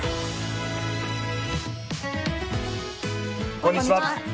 こんにちは。